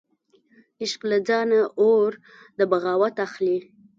عشق له ځانه اور د بغاوت اخلي